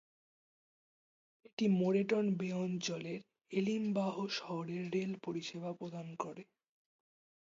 এটি Moreton Bay অঞ্চলের Elimbah শহরে রেল পরিষেবা প্রদান করে।